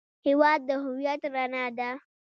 هېواد د هویت رڼا ده.